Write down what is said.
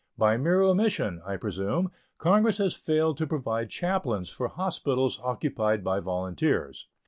By mere omission, I presume, Congress has failed to provide chaplains for hospitals occupied by volunteers.